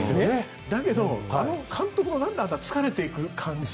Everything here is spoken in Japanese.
だけどあの監督もなんだろうあの疲れていく感じ